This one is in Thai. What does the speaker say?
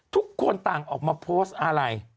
ทุกคนต่างออกมาโพสต์อาร์ตไลน์